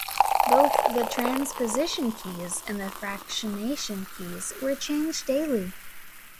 Both the transposition keys and the fractionation keys were changed daily.